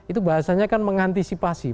itu bahasanya kan mengantisipasi